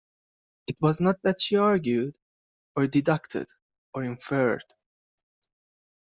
It was not that she argued, or deducted, or inferred.